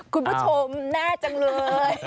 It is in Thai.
คุณผู้ชมน่าจังเลย